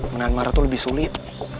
menang marah tuh lebih sulit